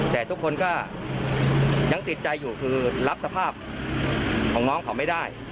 แต่ทุกคนก็ยังติดใจอยู่คือรับสภาพของน้องเขาไม่ได้